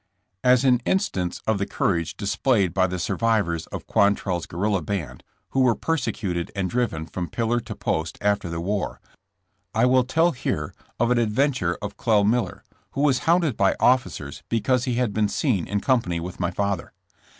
As an instance of the courage displayed by the survivors of Quantrell's guerrilla band, who were persecuted and driven from pillar to post after the war, I will tell here of an adventure of Clel. Miller, who was hounded by officers because he had been seen in company with my father.